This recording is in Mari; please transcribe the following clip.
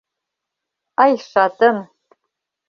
Ай, шатын!..